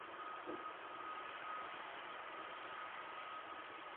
zina mbinu za kuthibitisha madai ya aina yoyote